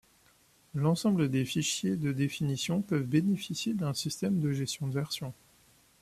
L'ensemble des fichiers de définitions peuvent bénéficier d'un système de gestion de versions.